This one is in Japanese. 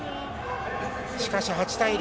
しかし８対０。